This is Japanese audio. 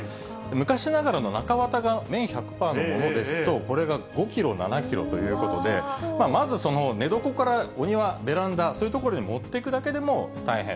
昔ながらの中綿が綿１００パーのものですと、これが５キロ、７キロということで、まずその寝床からお庭、ベランダ、そういう所に持っていくだけでも大変。